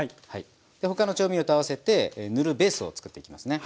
他の調味料と合わせて塗るベースを作っていきますね。